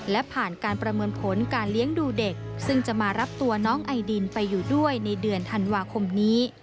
และผ่านการประเมินผลการเลี้ยงดูเด็กซึ่งจะมารับตัวน้องไอดินไปอยู่ด้วยในเดือนธันวาคมนี้